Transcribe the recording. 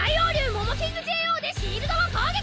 モモキングＪＯでシールドを攻撃！